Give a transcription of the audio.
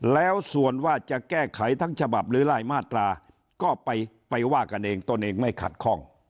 แล้วส่วนว่าจะแก้ไขทั้งฉบับหรือรายมาตราก็ไปว่ากันเองตนเองไม่ขัดข้อง